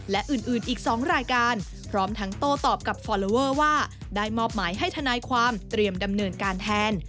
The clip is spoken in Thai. และอื่นอีก๒รายการพร้อมทั้งโต้ตอบกับฟอลลอเวอร์ว่าได้มอบหมายให้ทนายความเตรียมดำเนินการแทน